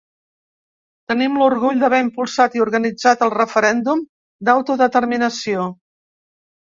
Tenim l’orgull d’haver impulsat i organitzat el referèndum d’autodeterminació.